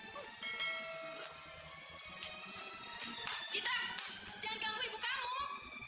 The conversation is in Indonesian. cita jangan ganggu ibu kamu